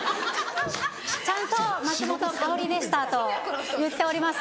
「ちゃんと松本薫でした」と言っております。